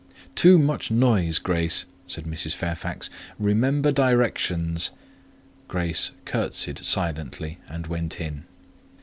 "Too much noise, Grace," said Mrs. Fairfax. "Remember directions!" Grace curtseyed silently and went in.